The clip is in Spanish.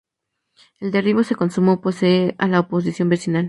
El derribo se consumó, pese a la oposición vecinal.